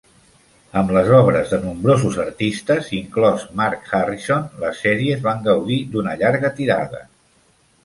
Amb les obres de nombrosos artistes, inclòs Mark Harrison, les sèries van gaudir d'una llarga tirada.